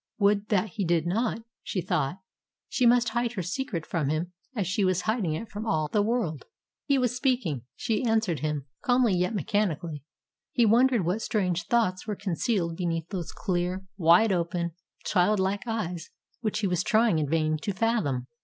Would that he did not, she thought. She must hide her secret from him as she was hiding it from all the world. He was speaking. She answered him calmly yet mechanically. He wondered what strange thoughts were concealed beneath those clear, wide open, child like eyes which he was trying in vain to fathom.